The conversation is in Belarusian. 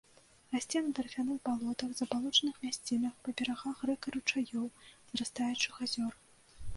Расце на тарфяных балотах, забалочаных мясцінах, па берагах рэк і ручаёў, зарастаючых азёр.